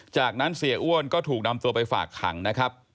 จากนั้นเสียอ้วนก็ถูกนำตัวไปฝากขังนะครับ